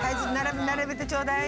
ならべてちょうだい。